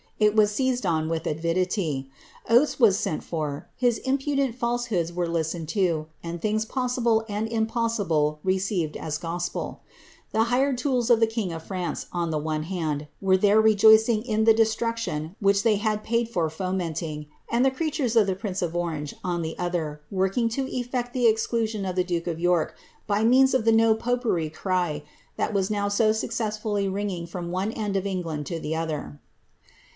It was seized on with avidity. Oateswu Sent for, his impudent fals('ho4Hls were listened to, and things possible and impossible received as trospel. l*he hired tools of the king of France, on the one liand. were there rr joicing in the destruction which they were jnid for fonicntinii;. and the creatures of the prince of OrangVi on the other, workini^ to utTect the exclusion of the duke of York, bv means of the no popery*^ cry, that was now so successfully riogiog fri»m one cm! of Knirlum! to the oilirr.